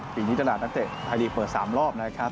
ปีนี้ตลาดนักเตะไทยลีกเปิด๓รอบนะครับ